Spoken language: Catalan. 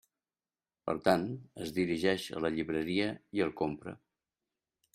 Per tant, es dirigeix a la llibreria i el compra.